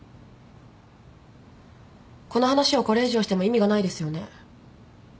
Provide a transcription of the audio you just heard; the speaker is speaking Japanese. この話をこれ以上しても意味がないですよね。